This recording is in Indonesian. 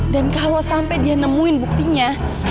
dan kalau sampai dia nemuin buktinya